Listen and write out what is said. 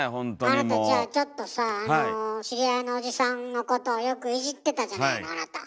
あなたじゃあちょっとさあの知り合いのおじさんのことをよくいじってたじゃないのあなた。